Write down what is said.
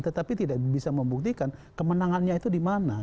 tetapi tidak bisa membuktikan kemenangannya itu di mana